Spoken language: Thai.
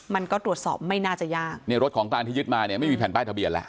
มันก็ตรวจสอบไม่น่าจะยากเนี่ยรถของกลางที่ยึดมาเนี่ยไม่มีแผ่นป้ายทะเบียนแล้ว